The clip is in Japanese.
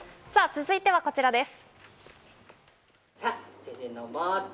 続いてはこちらです。